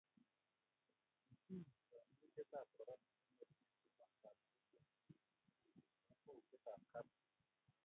kitiny kaimutietab korona emet eng' komostab kokwet eng' kakwoutietab kapchii